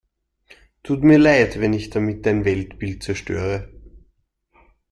Tut mir leid, wenn ich damit dein Weltbild zerstöre.